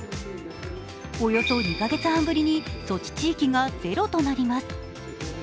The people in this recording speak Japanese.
およそ２カ月半ぶりに措置地域がゼロとなります。